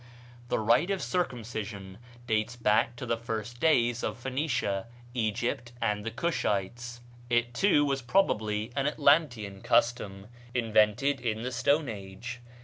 The rite of circumcision dates back to the first days of Phoenicia, Egypt, and the Cushites. It, too, was probably an Atlantean custom, invented in the Stone Age.